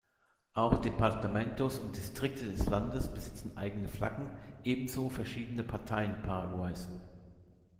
Auch Departamentos und Distrikte des Landes besitzen eigene Flaggen, ebenso verschiedene Parteien Paraguays.